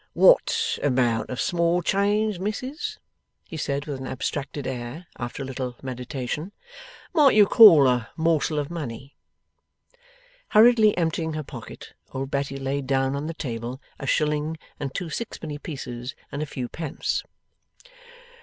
'What amount of small change, Missis,' he said, with an abstracted air, after a little meditation, 'might you call a morsel of money?' Hurriedly emptying her pocket, old Betty laid down on the table, a shilling, and two sixpenny pieces, and a few pence.